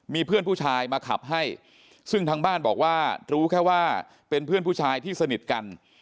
มีเพื่อนผู้ชายมาขับให้ซึ่งทางบ้านบอกว่ารู้แค่ว่าเป็นเพื่อนผู้ชายที่สนิทกัน